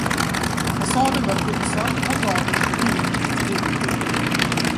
Fasaden var putsad och gav ett prydligt intryck.